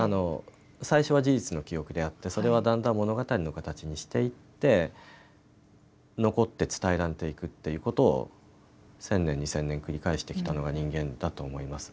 最初は事実の記憶であってそれはだんだん物語の形にしていって残って伝えられていくということを１０００年、２０００年繰り返してきたのが人間だと思います。